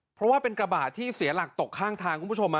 เพราะว่าเป็นกระบาดที่เสียหลักตกข้างทางคุณผู้ชม